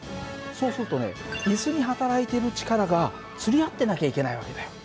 そうするとねイスに働いている力がつり合ってなきゃいけない訳だよ。